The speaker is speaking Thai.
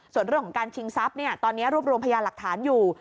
ส่วนเรื่องของการชิงทรัพย์ตอนนี้รวบรวมพยานหลักฐานอยู่